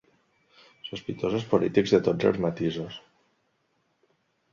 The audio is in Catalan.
Sospitosos polítics de tots els matisos